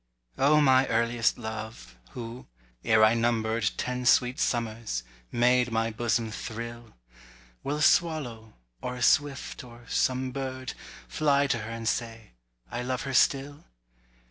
O MY earliest love, who, ere I number'd Ten sweet summers, made my bosom thrill! Will a swallow—or a swift, or some bird— Fly to her and say, I love her still?